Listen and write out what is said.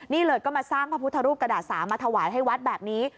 นี่เลยก็มาสร้างพระพุทธรูปกระดาษ๓มาถวายให้วัดแบบนี้